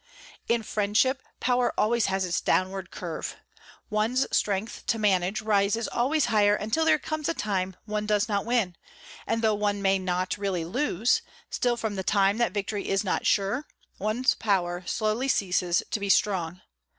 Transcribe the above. In friendship, power always has its downward curve. One's strength to manage rises always higher until there comes a time one does not win, and though one may not really lose, still from the time that victory is not sure, one's power slowly ceases to be strong.